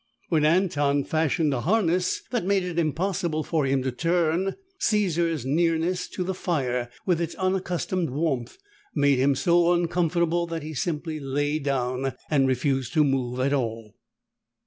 When Anton fashioned a harness that made it impossible for him to turn, Caesar's nearness to the fire, with its unaccustomed warmth, made him so uncomfortable that he simply lay down and refused to move at all.